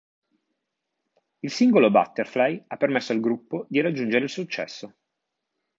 Il singolo "Butterfly" ha permesso al gruppo di raggiungere il successo.